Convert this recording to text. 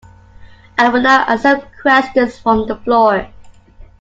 I will now accept questions from the floor.